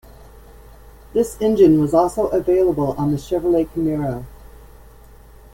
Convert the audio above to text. This engine was also available on the Chevrolet Camaro.